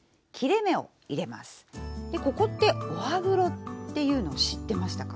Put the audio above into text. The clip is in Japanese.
でここってお歯黒っていうのを知ってましたか？